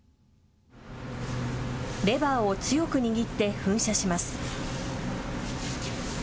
レバーを強く握って噴射します。